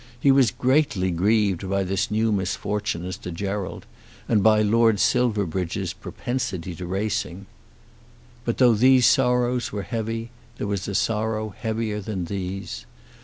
He was greatly grieved by this new misfortune as to Gerald, and by Lord Silverbridge's propensity to racing. But though these sorrows were heavy, there was a sorrow heavier than these.